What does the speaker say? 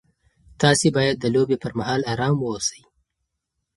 تاسي باید د لوبې پر مهال ارام واوسئ.